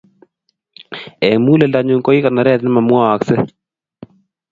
Eng' muguleldanyu ko ii konoret ne mamwooksey.